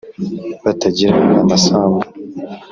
Batagira amasambu